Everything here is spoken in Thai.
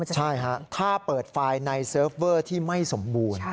มันจะทำแบบนี้ใช่ครับถ้าเปิดไฟล์ในเซิร์ฟเวอร์ที่ไม่สมบูรณ์